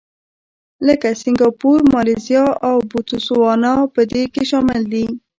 لکه سینګاپور، مالیزیا او بوتسوانا په دې کې شامل دي.